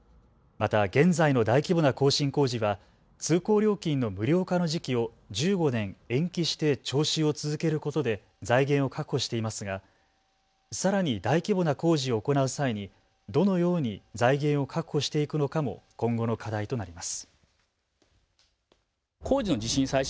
また現在の大規模な更新工事は通行料金の無料化の時期を１５年、延期して徴収を続けることで財源を確保していますがさらに大規模な工事を行う際にどのように財源を確保していくのかも今後の課題となります。